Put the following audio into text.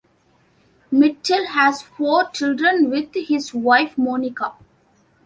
Mitchell has four children with his wife Monica.